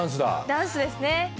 ダンスですね。